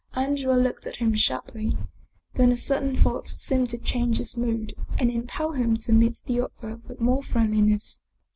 Andrea looked at him sharply, then a sudden thought seemed to change his mood and impel him to meet the other with more friendliness.